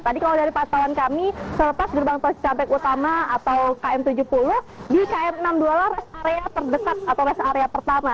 tadi kalau dari pantauan kami selepas gerbang tol cikampek utama atau km tujuh puluh di kr enam puluh dua lah rest area terdekat atau rest area pertama